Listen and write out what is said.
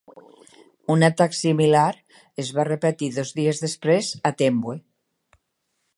Un atac similar es va repetir dos dies després a Tembue.